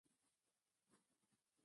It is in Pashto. پولادي قوي منګول تېره مشوکه